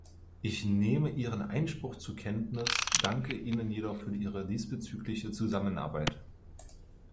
Ich nehme Ihren Einspruch zur Kenntnis, danke Ihnen jedoch für Ihre diesbezügliche Zusammenarbeit.